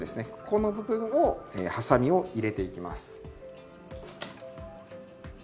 ここの部分をハサミを入れていきます。